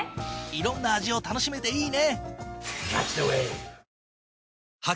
色んな味を楽しめていいね！